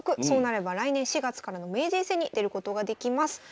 そうなれば来年４月からの名人戦に出ることができます。